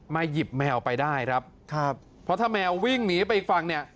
หยิบแมวไปได้ครับครับเพราะถ้าแมววิ่งหนีไปอีกฝั่งเนี่ย